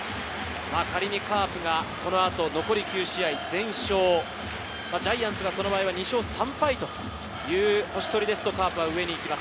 仮にカープがこのあと残り９試合全勝、ジャイアンツがその場合は２勝３敗という星取りですと、カープは上に行きます。